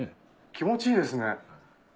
気持ちいいですね。